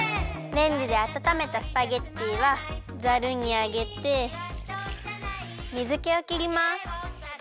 レンジであたためたスパゲッティはザルにあげて水けをきります。